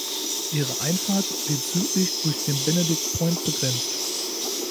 Ihre Einfahrt wird südlich durch den Benedict Point begrenzt.